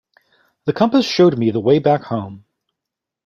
The compass showed me the way back home.